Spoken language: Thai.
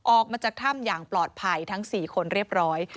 ออกมาจากถ้ำอย่างปลอดภัยทั้ง๔คนเรียบร้อย